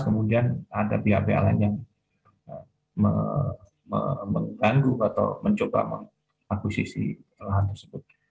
kemudian ada pihak pihak lain yang mengganggu atau mencoba mengakuisisi lahan tersebut